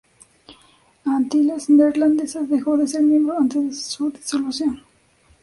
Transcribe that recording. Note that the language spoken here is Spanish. Antillas Neerlandesas dejó de ser miembro ante su disolución.